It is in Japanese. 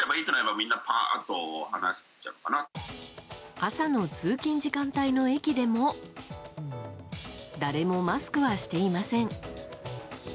朝の通勤時間帯の駅でも誰もマスクはしていません。